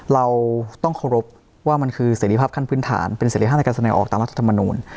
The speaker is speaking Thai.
เราต้องเคารพว่ามันคือเสร็จภาพขั้นพื้นฐานเป็นเสร็จภาพในการแสดงออกตามรัฐธรรมนูล